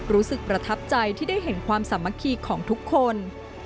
รู้สึกประทับใจที่ได้เห็นความสามัคคีของทุกคน